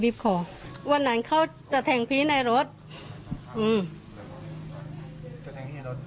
เพราะว่าเขามีมิตรอยู่ในรถตลอด